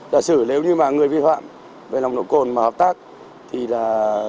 giả sử nếu như mà người vi phạm về nồng độ cồn mà hợp tác thì là